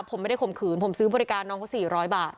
ผมไม่ได้ข่มขืนผมซื้อบริการน้องเขา๔๐๐บาท